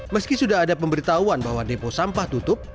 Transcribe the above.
meski sudah ada pemberitahuan bahwa depo sampah tutup